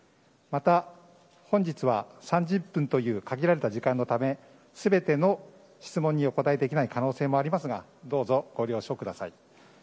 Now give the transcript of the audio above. また、本日は３０分という限られた時間のため全ての質問にお答えできない可能性もありますがどうぞ、ご了承ください。